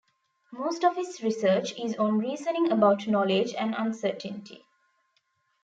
Most of his research is on reasoning about knowledge and uncertainty.